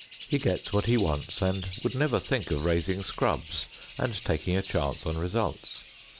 He gets what he wants and would never think of raising scrubs and taking a chance on results.